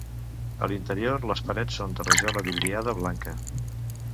A l'interior les parets són de rajola vidriada blanca.